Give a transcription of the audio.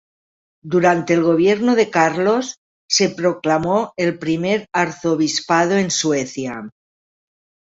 Durante el gobierno de Carlos se proclamó el primer arzobispado en Suecia.